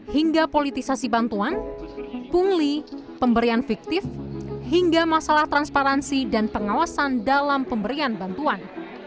hingga politisasi bantuan pungli pemberian fiktif hingga masalah transparansi dan pengawasan dalam pemberian bantuan